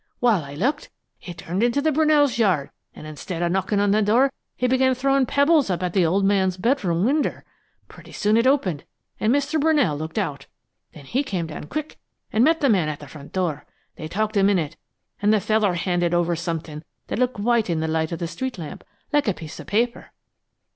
While I looked, he turned in the Brunells' yard an' instead of knocking on the door, he began throwin' pebbles up at the old man's bedroom winder. Pretty soon it opened and Mr. Brunell looked out. Then he come down quick an' met the man at the front door. They talked a minute, an' the feller handed over somethin' that showed white in the light of the street lamp, like a piece of paper.